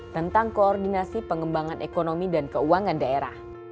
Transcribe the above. tentang koordinasi pengembangan ekonomi dan keuangan daerah